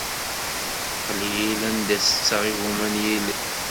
Qlil anda setteɣ igumma n yilel.